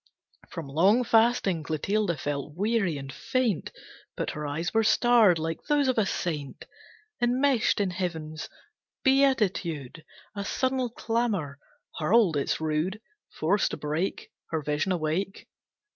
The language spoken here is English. From long fasting Clotilde felt weary and faint, But her eyes were starred like those of a saint Enmeshed in Heaven's beatitude. A sudden clamour hurled its rude Force to break Her vision awake.